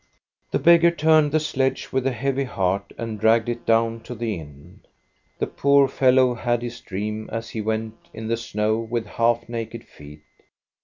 The beggar turned the sledge with a heavy heart and dragged it down to the inn. The poor fellow had had his dream, as he went in the snow with half naked feet.